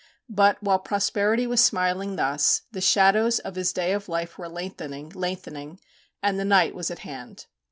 But, while prosperity was smiling thus, the shadows of his day of life were lengthening, lengthening, and the night was at hand.